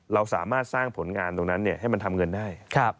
เราสามารถสร้างผลงานตรงนั้นให้มันทำเงินได้